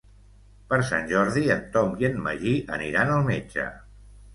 Per Sant Jordi en Tom i en Magí aniran al metge.